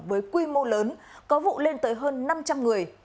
với quy mô lớn có vụ lên tới hơn năm trăm linh người